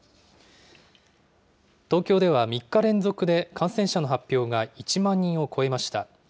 東京では３日連続で感染者の発表が１万人を超えました。